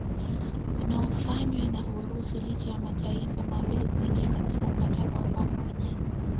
unaofanywa na urusi licha mataifa hayo mawili kuingia katika mkataba wa pamoja